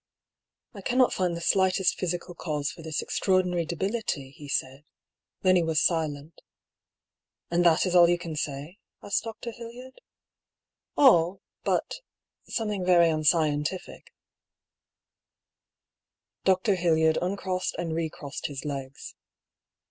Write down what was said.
" I cannot find the slightest physical cause for this extraor dinary debility," he said. Then he was silent. " And that is all you can say ?" asked Dr. Hildyard. " All — ^but — something very unscientific." Dr. Hildyard uncrossed and recrossed his legs.